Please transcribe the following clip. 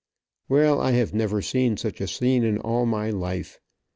Well, I have never seen such a scene in all my life.